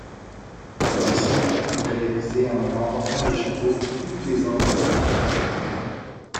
Celui-ci a donc réalisé un nombre important de chapeaux pour toutes les invitées.